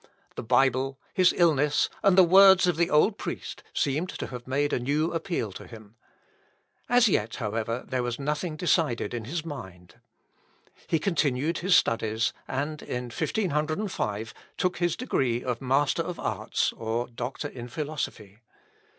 The Bible, his illness, and the words of the old priest, seemed to have made a new appeal to him. As yet, however, there was nothing decided in his mind. He continued his studies, and, in 1505, took his degree of Master of Arts, or Doctor in Philosophy.